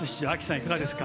いかがですか？